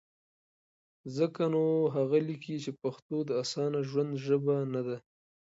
ځکه نو هغه لیکي، چې پښتو د اسانه ژوند ژبه نه ده؛